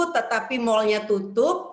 tetapi malnya tutup